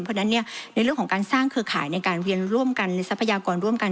เพราะฉะนั้นในเรื่องของการสร้างเครือข่ายในการเรียนร่วมกันในทรัพยากรร่วมกัน